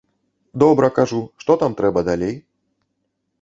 Добра, кажу, што там трэба далей?